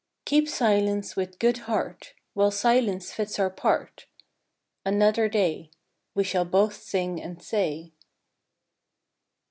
Keep silence with good heart, While silence fits our part: Another day We shall both sing and say.